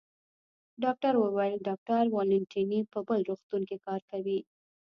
ډاکټر وویل: ډاکټر والنتیني په بل روغتون کې کار کوي.